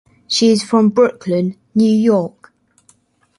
She is from Brooklyn, New York.